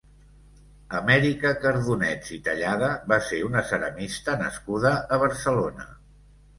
Amèrica Cardunets i Tallada va ser una ceramista nascuda a Barcelona.